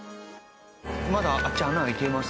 まだあっち穴開いてます？